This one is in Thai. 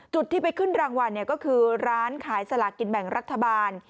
จุดที่ไปขึ้นรางวัลก็คือร้านขายสลากกินแบ่งรัฐบาล